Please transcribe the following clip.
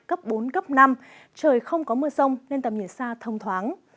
cấp bốn cấp năm trời không có mưa rông nên tầm nhìn xa thông thoáng